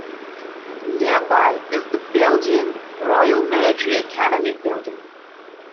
Nearby is the Belgian Royal Military Academy building.